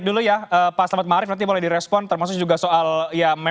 kalau dipanasin mesinnya di